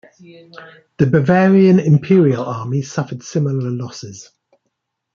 The Bavarian-Imperial army suffered similar losses.